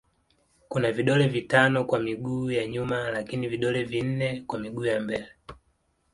Kuna vidole vitano kwa miguu ya nyuma lakini vidole vinne kwa miguu ya mbele.